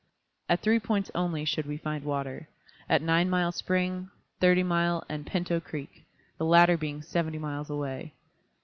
At three points only should we find water, at Nine Mile Spring, Thirty Mile and Pinto Creek, the latter being seventy miles away.